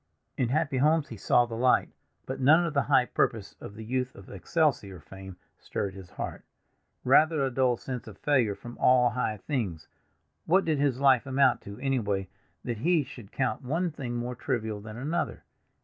"In happy homes he saw the light," but none of the high purpose of the youth of "Excelsior" fame stirred his heart—rather a dull sense of failure from all high things. What did his life amount to, anyway, that he should count one thing more trivial than another?